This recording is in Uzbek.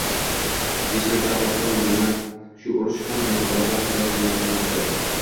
Hech narsa hatto mana shu urush ham bu g`alaba bilan tenglasholmasdi